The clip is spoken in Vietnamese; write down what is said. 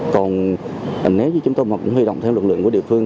còn nếu chúng tôi huy động theo lực lượng của địa phương